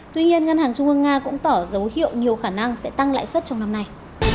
tuy nhiên ngân hàng trung ương nga cũng tỏ dấu hiệu nhiều khả năng sẽ tăng lãi suất trong năm nay